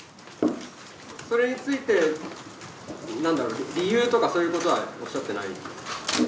それについて、なんだろう、理由とか、そういうことはおっしゃってないですか。